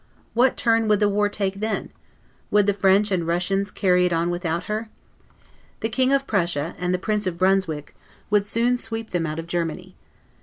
What turn would the war take then? Would the French and Russians carry it on without her? The King of Prussia, and the Prince of Brunswick, would soon sweep them out of Germany.